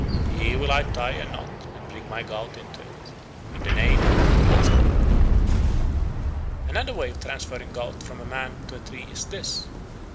Here will I tie a knot and bind my gout into it. In the name," etc. Another way of transferring gout from a man to a tree is this.